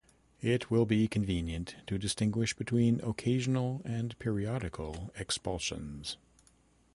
It will be convenient to distinguish between occasional and periodical expulsions.